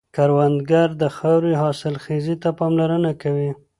کروندګر د خاورې حاصلخېزي ته پاملرنه کوي